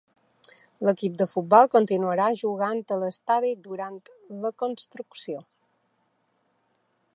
L'equip de futbol continuarà jugant a l'estadi durant la construcció.